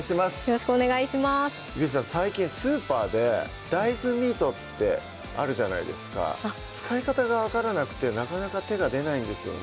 最近スーパーで大豆ミートってあるじゃないですか使い方が分からなくてなかなか手が出ないんですよね